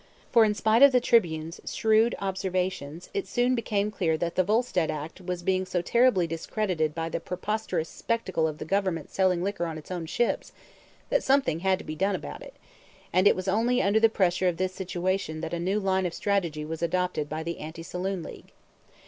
For, in spite of the Tribune's shrewd observations, it soon became clear that the Volstead act was being so terribly discredited by the preposterous spectacle of the Government selling liquor on its own ships that something had to be done about it; and it was only under the pressure of this situation that a new line of strategy was adopted by the Anti Saloon League.